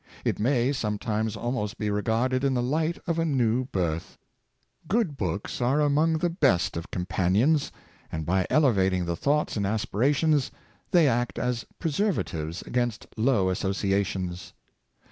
It may sometimes almost be regarded in the light of a new birth. Good books are among the best of companions, and. by elevating the thoughts and aspirations, they act as preservatives against low associations.